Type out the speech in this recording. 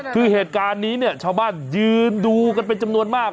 คือเหตุการณ์นี้เนี่ยชาวบ้านยืนดูกันเป็นจำนวนมาก